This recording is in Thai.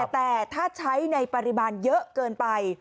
แต่ถ้าใช้ในปริมาณเยอะเกินไป